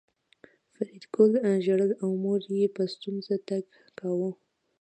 فریدګل ژړل او مور یې په ستونزه تګ کاوه